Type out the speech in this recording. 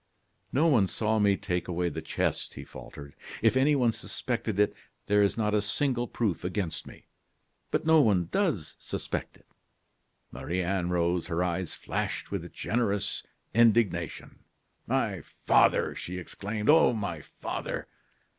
"No one saw me take away the chest," he faltered. "If anyone suspected it, there is not a single proof against me. But no one does suspect it." Marie Anne rose, her eyes flashed with generous indignation. "My father!" she exclaimed; "oh! my father!"